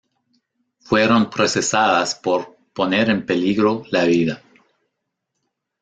Fueron procesadas por "poner en peligro la vida".